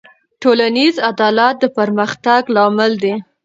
ټولنیز عدالت د پرمختګ لامل دی.